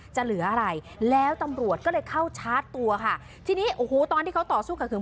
เหลืออะไรแล้วตำรวจก็เลยเข้าชาร์จตัวค่ะทีนี้โอ้โหตอนที่เขาต่อสู้ขัดขืน